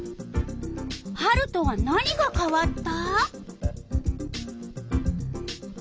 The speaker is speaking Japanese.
春とは何が変わった？